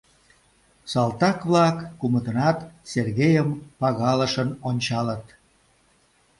Салтак-влак кумытынат Сергейым пагалышын ончалыт.